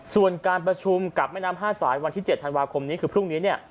ส่วนการประชุมกับแม่น้ำ๕สายวันที่๗ธันวาคมนี้คือพรุ่งนี้เนี่ย